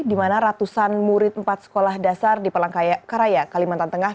di mana ratusan murid empat sekolah dasar di palangkaraya kalimantan tengah